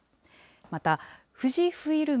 また、富士フイルム